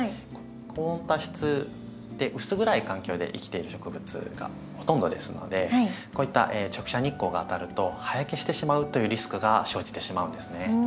高温多湿で薄暗い環境で生きている植物がほとんどですのでこういった直射日光が当たると葉焼けしてしまうというリスクが生じてしまうんですね。